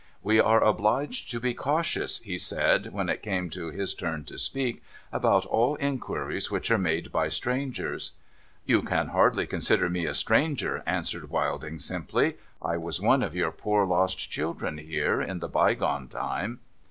' We are obliged to be cautious,' he said, when it came to his turn to speak, ' about all inquiries which are made by strangers.' ' You can hardly consider me a stranger,' answered Wilding, simply. ' I was one of your poor lost children here, in the bygone time.'